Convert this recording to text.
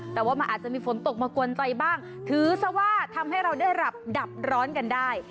แต่ว่ามันอาจจะมีฝนตกมากวนใจบ้างถือซะว่าทำให้เราได้หลับดับร้อนกันได้